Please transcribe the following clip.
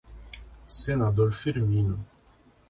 Senador Firmino